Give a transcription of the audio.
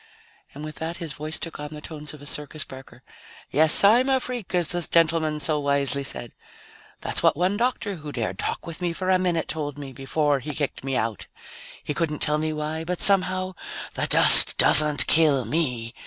And with that his voice took on the tones of a circus barker. "Yes, I'm a freak, as the gentleman so wisely said. That's what one doctor who dared talk with me for a minute told me before he kicked me out. He couldn't tell me why, but somehow the dust doesn't kill me.